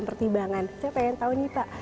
dan pertimbangan saya ingin tahu nih pak